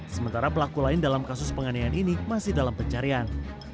sementara pelaku lain dalam kasus penganiayaan ini masih dalam pencarian